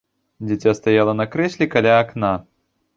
Дзіця стаяла на крэсле каля акна.